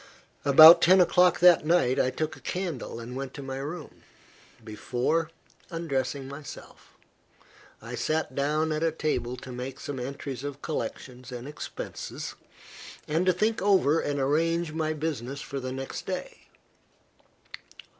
About ten o'clock that night, I took a candle and went to my room. Before undressing myself, I sat down at a table to make some entries of collections and expenses, and to think over and arrange my business for the next day.